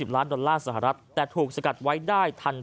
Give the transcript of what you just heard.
๘๕๐ล้านดอลลาร์สหรัฐแต่ถูกสกัดไว้ได้ทันท่วงที